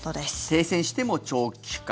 停戦しても長期化。